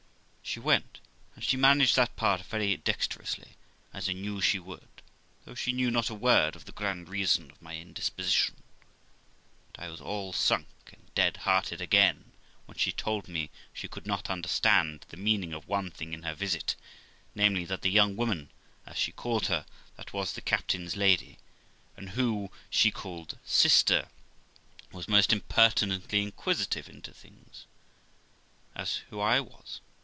She went, and she managed that part very dexterously, as I knew she would, though she knew not a word of the grand reason of my indisposi tion; but I was all sunk and dead hearted again when she told me she could not understand the meaning of one thing in her visit, namely, that the young woman, as she called her, that was with the captain's lady, and who she called sister, was most impertinently inquisitive into things; as who I was?